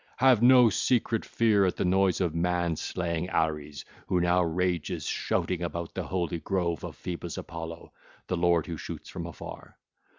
Have no secret fear at the noise of man slaying Ares who now rages shouting about the holy grove of Phoebus Apollo, the lord who shoots form afar.